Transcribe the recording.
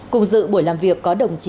cùng dự buổi làm việc có đồng chí